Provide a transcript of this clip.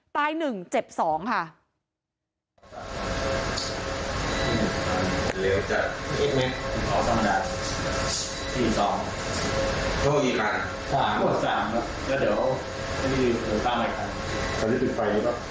ตายหนึ่งเจ็บสองค่ะ